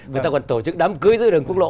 người ta còn tổ chức đám cưới giữa đường quốc lộ